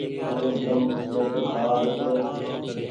لوڻ تم گھٽ کآ ٻوکرو ۔